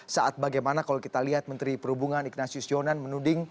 saat bagaimana kalau kita lihat menteri perhubungan ignatius jonan menuding